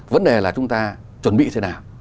vấn đề là chúng ta chuẩn bị thế nào